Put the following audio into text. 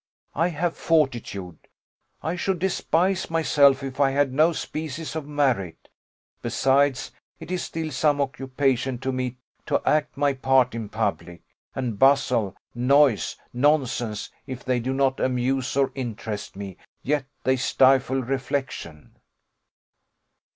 I have fortitude; I should despise myself if I had no species of merit: besides, it is still some occupation to me to act my part in public; and bustle, noise, nonsense, if they do not amuse or interest me, yet they stifle reflection.